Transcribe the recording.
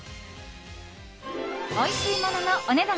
おいしいもののお値段